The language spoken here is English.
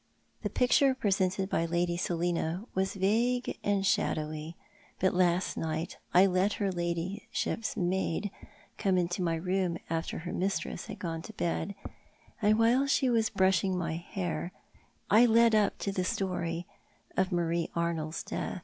The picturo presented by Lady Selina was vague and shadowy, but last night I let her ladyship's maid come into my room after her mistress had gone to bed, and while she was brushing my hair I led up to the story of Mario Arnold's death.